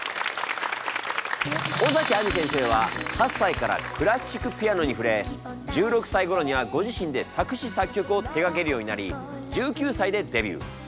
尾崎亜美先生は８歳からクラシックピアノに触れ１６歳ごろにはご自身で作詞作曲を手がけるようになり１９歳でデビュー。